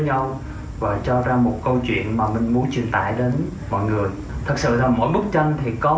nhau và cho ra một câu chuyện mà mình muốn truyền tải đến mọi người thật sự là mỗi bức tranh thì có